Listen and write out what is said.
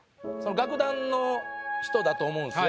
楽団の人だと思うんですよ。